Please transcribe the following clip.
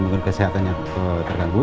dengan kesehatannya terganggu